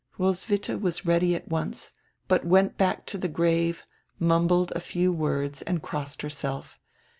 Roswitha was ready at once, but went back to the grave, mumbled a few words and crossed herself.